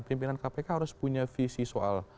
pimpinan kpk harus punya visi soal